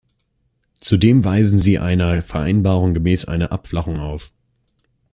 Zudem weisen sie einer Vereinbarung gemäß eine Abflachung auf.